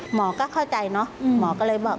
หมอก็เข้าใจเนอะหมอก็เลยบอก